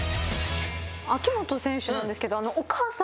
秋本選手なんですけどお母さま